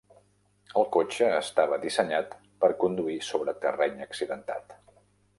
El cotxe estava dissenyat per conduir sobre terreny accidentat.